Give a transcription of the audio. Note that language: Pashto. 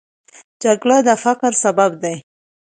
جګړه د فقر سبب ده